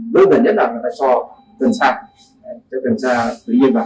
đơn giản nhất là chúng ta cho cần sạc cần sạc tự nhiên vào